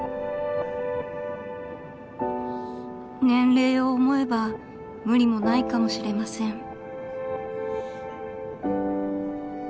［年齢を思えば無理もないかもしれません］